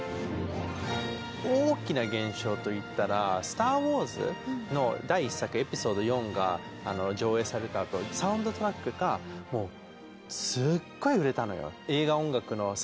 大きな現象といったら「スター・ウォーズ」の第１作「エピソード４」が上映されたあとサウンドトラックがもうすっごい売れたのよ。